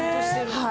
はい。